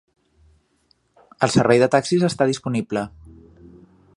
El servei de taxis està disponible.